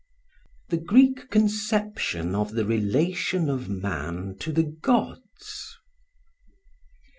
The Greek Conception of the Relation of Man to the Gods.